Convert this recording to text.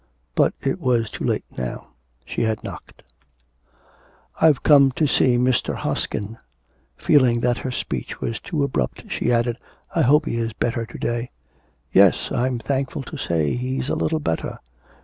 But it was too late now, she had knocked. 'I've come to see Mr. Hoskin.' Feeling that her speech was too abrupt she added, 'I hope he is better to day.' 'Yes, I'm thankful to say he's a little better.'